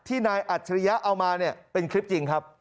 ที่นายอัจฉริยะเอามาเนี่ย